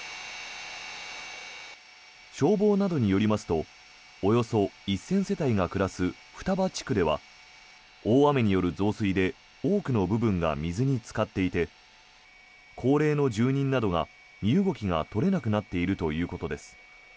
消防などによりますとおよそ１０００世帯が暮らす双葉地区では大雨による増水で多くの部分が水につかっていて高齢の住人などが身動きが取れなくなっているということです。